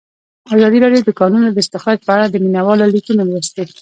ازادي راډیو د د کانونو استخراج په اړه د مینه والو لیکونه لوستي.